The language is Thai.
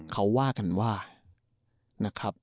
เขาว่ากันว่านะครับ